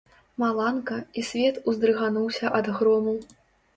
Маланка, і свет уздрыгануўся ад грому.